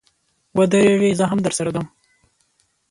و درېږئ، زه هم درسره ځم.